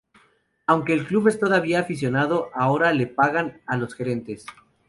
Aunque el club es todavía aficionado, ahora le pagan a los gerentes.